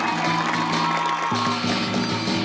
วันนี้ข้ามาขอยืมของสำคัญ